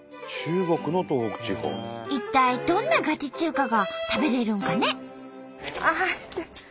一体どんなガチ中華が食べれるんかね？